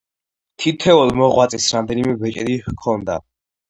თითოეულ მოღვაწეს რამდენიმე ბეჭედი ჰქონდა.